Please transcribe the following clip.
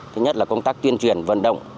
thứ nhất là công tác tuyên truyền vận động